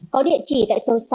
có địa chỉ tại số sáu